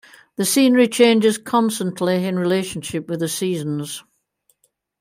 The scenery changes constantly in relationship with the seasons.